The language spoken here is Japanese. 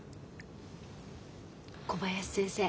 小林先生